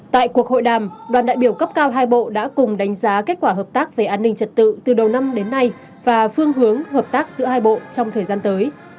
tại cuộc hội đàm đoàn đại biểu cấp cao hai bộ đã cùng đánh giá kết quả hợp tác về an ninh trật tự từ đầu năm đến nay và phương hướng hợp tác giữa hai bộ trong thời gian tới